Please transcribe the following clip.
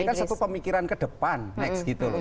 ini kan satu pemikiran ke depan next gitu loh